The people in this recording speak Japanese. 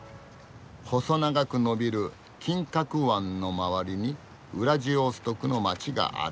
細長く伸びる「金角湾」の周りにウラジオストクの街がある。